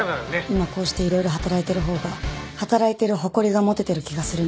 今こうしていろいろ働いているほうが働いてる誇りが持ててる気がするんです。